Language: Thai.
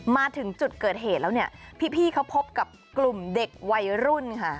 มาถึงจุดเกิดเหตุแล้วเนี่ยพี่เขาพบกับกลุ่มเด็กวัยรุ่นค่ะ